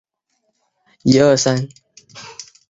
本届赛事继续在水晶宫国家体育中心举行。